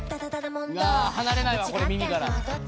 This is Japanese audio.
離れないわこれ耳から。